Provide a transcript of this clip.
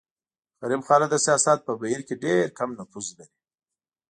غریب خلک د سیاست په بهیر کې ډېر کم نفوذ لري.